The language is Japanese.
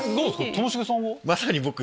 ともしげさんは。